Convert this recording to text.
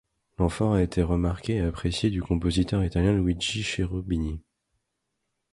L'enfant aurait été remarqué et apprécié du compositeur italien Luigi Cherubini.